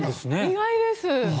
意外です。